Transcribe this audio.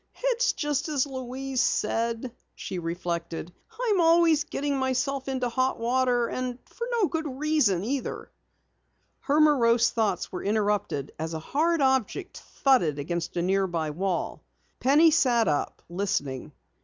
"It's just as Louise said," she reflected. "I'm always getting myself into hot water and for no good reason, either!" Her morose thoughts were interrupted as a hard object thudded against a nearby wall. Penny sat up, listening.